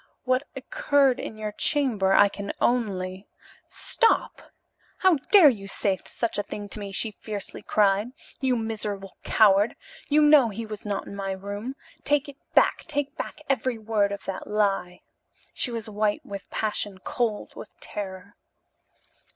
What occurred in your chamber I can only " "Stop! How dare you say such a thing to me?" she fiercely cried. "You miserable coward! You know he was not in my room. Take it back take back every word of that lie!" She was white with passion, cold with terror.